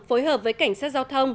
phối hợp với cảnh sát giao thông